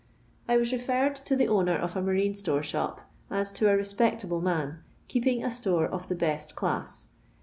I was referred to the owner of a marine itore iliop, as to a respectable man, keeping a store of the bsft class.